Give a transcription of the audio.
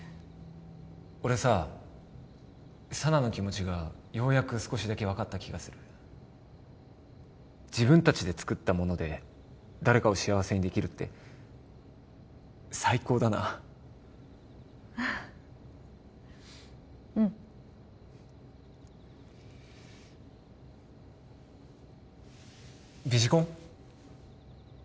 俺さ佐奈の気持ちがようやく少しだけ分かった気がする自分達で作ったもので誰かを幸せにできるって最高だなうんビジコン？